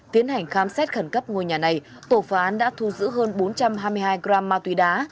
tiến hành khám xét khẩn cấp ngôi nhà này tổ phá án đã thu giữ hơn bốn trăm hai mươi hai gram ma túy đá